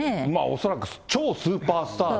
恐らく超スーパースターで。